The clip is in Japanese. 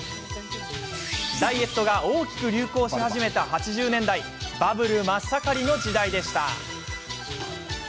ダイエットが大きく流行し始めた８０年代バブル真っ盛りの時代でした。